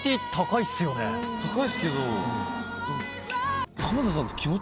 高いですけど。